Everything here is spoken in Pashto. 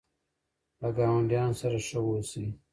له ګاونډیانو سره ښه اوسئ.